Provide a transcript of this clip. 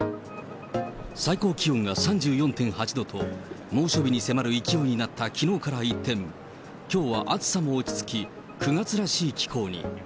最高気温が３４．８度と、猛暑日に迫る勢いになったきのうから一転、きょうは暑さも落ち着き、９月らしい気候に。